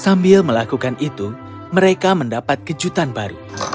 sambil melakukan itu mereka mendapat kejutan baru